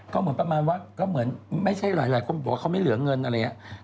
ก็เหมือนประมาณว่าก็เหมือนไม่ใช่หลายคนบอกว่าเขาไม่เหลือเงินอะไรอย่างนี้